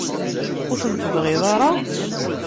Ur ten-tebɣiḍ ara?